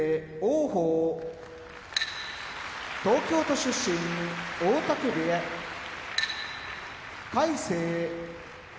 王鵬東京都出身大嶽部屋魁聖